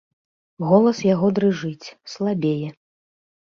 Голас яго дрыжыць, слабее.